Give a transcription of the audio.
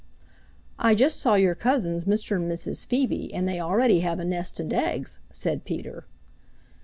"I just saw your cousins, Mr. and Mrs. Phoebe, and they already have a nest and eggs," said Peter.